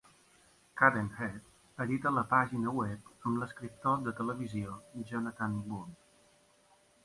Cadenhead edita la pàgina web amb l'escriptor de televisió Jonathan Bourne.